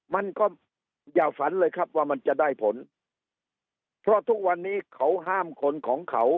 มันก็อย่าฝันเลยครับว่ามันจะได้ผลเพราะทุกวันนี้เขาห้ามคนของเขา